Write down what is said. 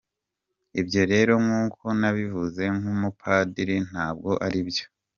Ibyo rero nk’uko nabivuze nk’umupadriri ntabwo ari byo.